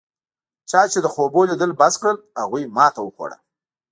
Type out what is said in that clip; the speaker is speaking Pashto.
چا چې د خوبونو لیدل بس کړل هغوی ماتې وخوړه.